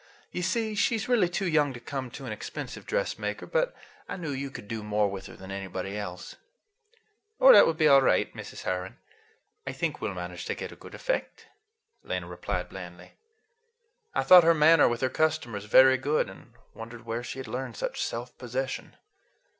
You see, she's really too young to come to an expensive dressmaker, but I knew you could do more with her than anybody else." "Oh, that will be all right, Mrs. Herron. I think we'll manage to get a good effect," Lena replied blandly. I thought her manner with her customers very good, and wondered where she had learned such self possession.